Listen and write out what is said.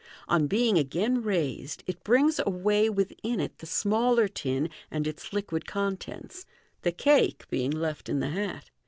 On being agai n raised, it brings away within it the smaller tin and its liquid contents, the cake being left in the hat.